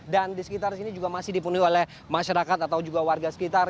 dan di sekitar sini juga masih dipenuhi oleh masyarakat atau juga warga sekitar